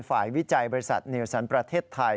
วิจัยบริษัทนิวสันประเทศไทย